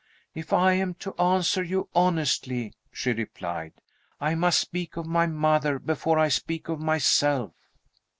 "If I am to answer you honestly," she replied, "I must speak of my mother, before I speak of myself."